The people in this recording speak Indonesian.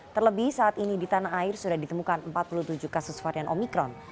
terlebih saat ini di tanah air sudah ditemukan empat puluh tujuh kasus varian omikron